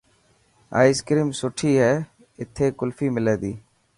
ائس ڪريم سٺي هي.اٿي ڪلفي ملي تي.